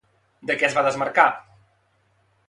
De què es va desmarcar?